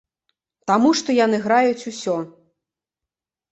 Таму што яны граюць усё.